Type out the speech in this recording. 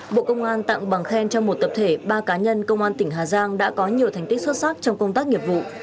bộ công an tặng bằng khen cho một tập thể ba cá nhân công an tỉnh hà giang đã có nhiều thành tích xuất sắc trong công tác nghiệp vụ